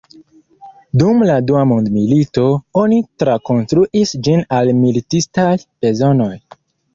Dum la dua mondmilito, oni trakonstruis ĝin al militistaj bezonoj.